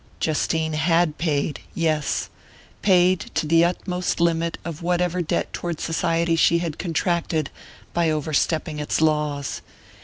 Justine had paid, yes paid to the utmost limit of whatever debt toward society she had contracted by overstepping its laws.